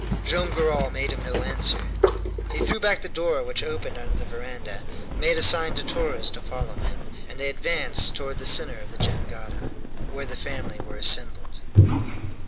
Joam Garral made him no answer. He threw back the door which opened under the veranda, made a sign to Torres to follow him, and they advanced toward the center of the jangada, where the family were assembled.